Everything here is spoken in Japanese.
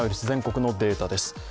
全国のデータです。